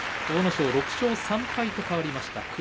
阿武咲は６勝３敗と変わりました。